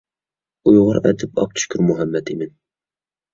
ئۇيغۇر ئەدىب ئابدۇشۈكۈر مۇھەممەتئىمىن.